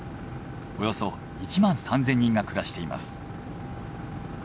およそ１万３，０００人が暮らしています。